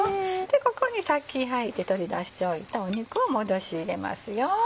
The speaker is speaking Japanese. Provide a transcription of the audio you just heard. ここにさっき取り出しておいた肉を戻し入れますよ。